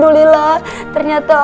questa leh masaknya pracua